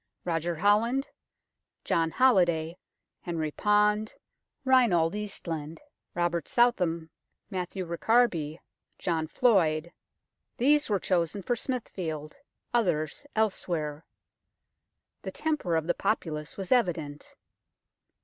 Roger Holland, John Holiday, Henry Pond, Reinald Eastland, Robert Southam, Matthew Ricarby, John Floyd these were chosen for Smithfield ; others elsewhere. The temper of the populace was evident.